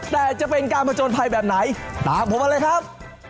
แต่จะเป็นการผจญภัยแบบไหนตามผมมาเลยครับ